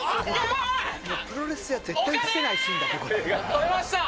取れました！